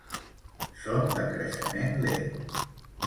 Són de creixement lent.